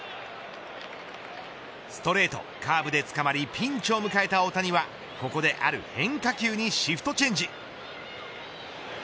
ストレート、カーブでつかまりピンチを迎えた大谷はここである変化球にシフトチェンジ。